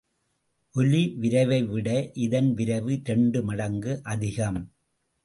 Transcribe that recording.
ஒலிவிரைவை விட இதன் விரைவு இரண்டு மடங்கு அதிகம்.